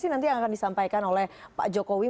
nanti yang akan disampaikan oleh pak jokowi